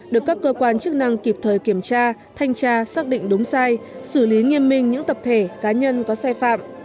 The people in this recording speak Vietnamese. được các cơ quan chức năng kịp thời kiểm tra thanh tra xác định đúng sai xử lý nghiêm minh những tập thể cá nhân có sai phạm